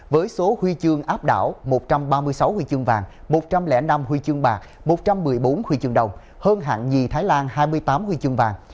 với số huy chương áp đảo một trăm ba mươi sáu huy chương vàng một trăm linh năm huy chương bạc một trăm một mươi bốn huy chương đồng hơn hạng nhì thái lan hai mươi tám huy chương vàng